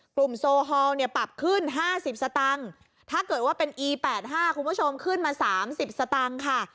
กลุ่มโซฮอล์เนี่ยปรับขึ้นห้าสิบสตางค์ถ้าเกิดว่าเป็นอีแปดห้าคุณผู้ชมขึ้นมาสามสิบสตางค์ค่ะ